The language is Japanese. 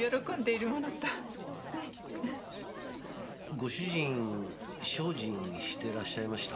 ご主人精進してらっしゃいました？